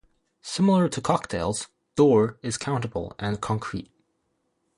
Similar to "cocktails", "door" is countable and concrete.